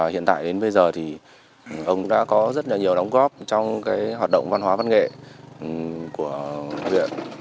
hiện tại đến bây giờ thì ông đã có rất là nhiều đóng góp trong hoạt động văn hóa văn nghệ của huyện